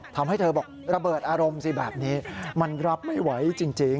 ทำให้เธอบอกระเบิดอารมณ์สิแบบนี้มันรับไม่ไหวจริง